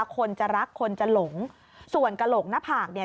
คนจะรักคนจะหลงส่วนกระโหลกหน้าผากเนี่ย